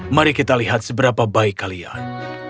mari kita lihat seberapa baik kalian